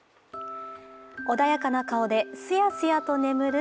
穏やかな顔ですやすやと眠る